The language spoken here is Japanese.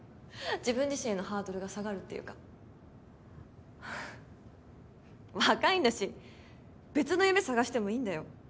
自分自身へのハードルが下がるっていうか若いんだし別の夢探してもいいんだよ